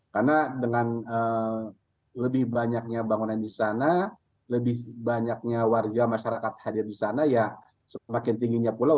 karena dengan lebih banyaknya bangunan di sana lebih banyaknya warga masyarakat hadir di sana ya semakin tingginya pulau